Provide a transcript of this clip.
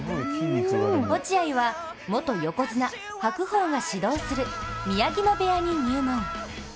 落合は、元横綱・白鵬が指導する宮城野部屋に入門。